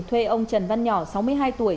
thuê ông trần văn nhỏ sáu mươi hai tuổi